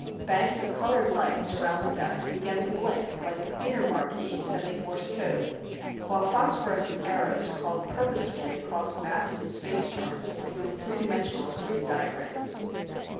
Banks of colored lights around the desk began to blink like a theatre marquee sending Morse Code, while phosphorescent arrows crawled purposefully across maps and space charts and through three dimensional street diagrams.